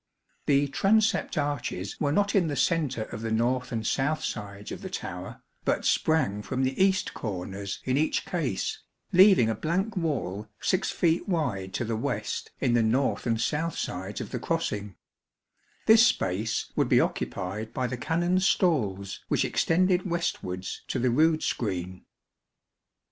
The transept arches were not in the centre of the north and south sides of the tower, but sprang from the east corners in each case, leaving a blank wall 6 feet wide to the west in the north and south sides of the crossing, this space would be occupied by the Canons' stalls which extended westwards to the rood screen.